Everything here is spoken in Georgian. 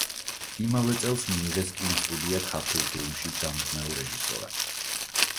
იმავე წელს მიიღეს კინოსტუდია „ქართულ ფილმში“ დამდგმელ რეჟისორად.